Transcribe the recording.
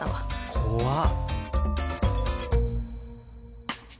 怖っ！